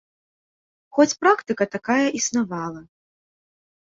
Хоць практыка такая існавала.